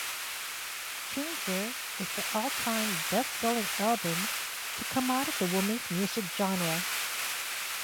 "Changer" is the all-time best-selling album to come out of the women's music genre.